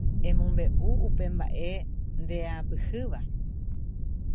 Emombe'u upe mba'e ndeapyhýva.